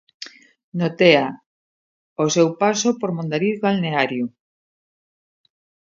No Tea, ao seu paso por Mondariz Balneario.